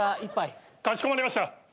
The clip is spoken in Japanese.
かしこまりました。